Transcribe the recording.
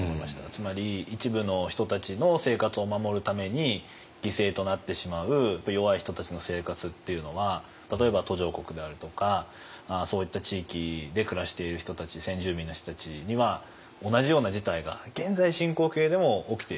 つまり一部の人たちの生活を守るために犠牲となってしまう弱い人たちの生活っていうのは例えば途上国であるとかそういった地域で暮らしている人たち先住民の人たちには同じような事態が現在進行形でも起きている。